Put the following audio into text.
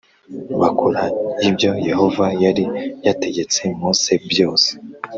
bakora ibyo Yehova yari yategetse Mose byose